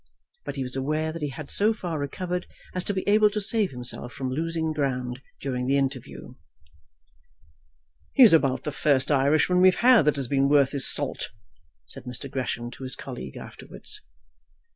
But he was aware that he had so far recovered as to be able to save himself from losing ground during the interview. "He's about the first Irishman we've had that has been worth his salt," said Mr. Gresham to his colleague afterwards.